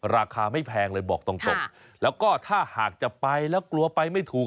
ราคาไม่แพงเลยบอกตรงแล้วก็ถ้าหากจะไปแล้วกลัวไปไม่ถูก